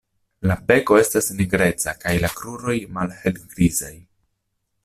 La beko estas nigreca kaj la kruroj malhelgrizaj.